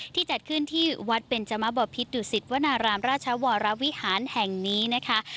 จัดขึ้นที่วัดเบนจมบพิษดุสิตวนารามราชวรวิหารแห่งนี้นะคะ